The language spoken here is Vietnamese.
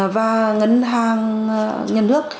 và ngân hàng nhân nước